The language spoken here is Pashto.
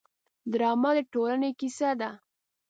ډرامه د ټولنې کیسه ده